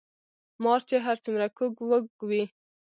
ـ مار چې هر څومره کوږ وږ وي